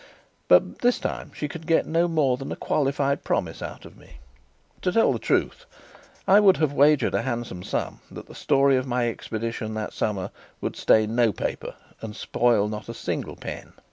But this time she could get no more than a qualified promise out of me. To tell the truth, I would have wagered a handsome sum that the story of my expedition that summer would stain no paper and spoil not a single pen.